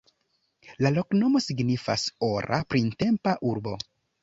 La loknomo signifas: "ora printempa urbo".